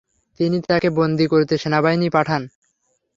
তিনি তাকে বন্দি করতে সেনাবাহিনী পাঠান।